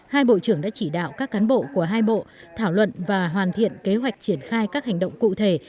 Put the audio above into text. hai bộ trưởng đã chỉ đạo các cán bộ của hai bộ thảo luận và hoàn thiện kế hoạch triển khai các hành động cụ thể